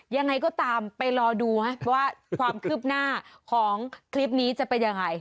ยังไงก็ตามไปรอดูว่าความคืบหน้าของคลิปนี้จะเป็นยังไง